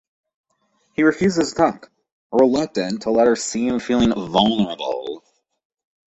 He refuses to talk, reluctant to let her see him feeling vulnerable.